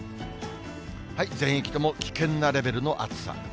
全域とも危険なレベルの暑さ。